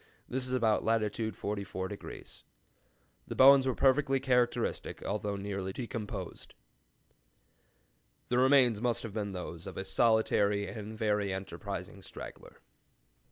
This is about latitude 44°. The bones were perfectly characteristic, although nearly decomposed.'" The remains must have been those of a solitary and very enterprising straggler.